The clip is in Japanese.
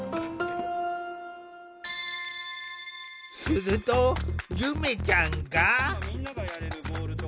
するとゆめちゃんが。